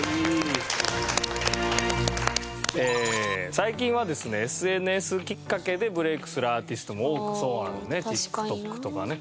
最近はですねＳＮＳきっかけでブレイクするアーティストも多くそうだよねＴｉｋＴｏｋとかね。